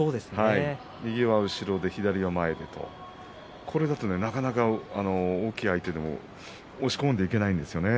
右は後ろで左は前でこれだと、なかなか大きい相手も押し込んでいけないんですよ。